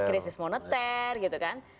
krisis moneter gitu kan